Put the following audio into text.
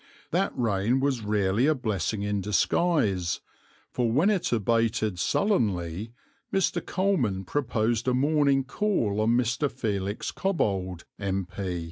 That rain was really a blessing in disguise, for when it abated sullenly, Mr. Coleman proposed a morning call on Mr. Felix Cobbold, M.P.